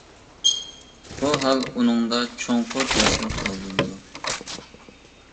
بۇ ھال ئۇنىڭدا چوڭقۇر تەسىر قالدۇرىدۇ.